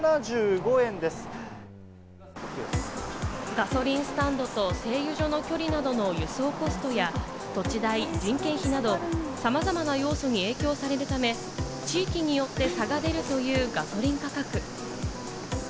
ガソリンスタンドと製油所の距離などの輸送コストや土地代、人件費など、さまざまな要素に影響されるため、地域によって差が出るというガソリン価格。